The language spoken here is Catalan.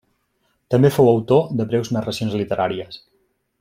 També fou autor de breus narracions literàries.